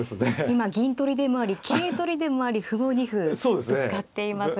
今銀取りでもあり桂取りでもあり歩も２歩ぶつかっています。